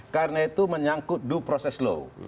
karena itu menyangkut due process law